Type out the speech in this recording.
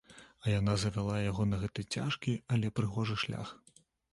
А яна завяла яго на гэты цяжкі, але прыгожы шлях.